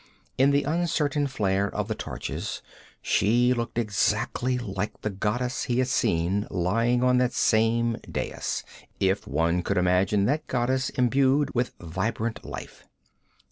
In the uncertain flare of the torches she looked exactly like the goddess he had seen lying on that same dais, if one could imagine that goddess imbued with vibrant life.